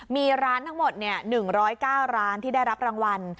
มีร้านทั้งหมด๑๐๙ร้านที่ได้รับรางวัล